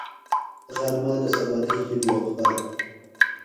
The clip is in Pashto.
غرمه د سبانۍ هيلو وقفه ده